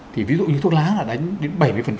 thì ví dụ như thuốc lá là đánh đến bảy mươi